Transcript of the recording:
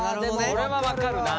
それは分かるな。